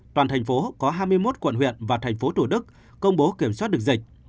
toàn thành phố có hai mươi một quận huyện và thành phố thủ đức công bố kiểm soát được dịch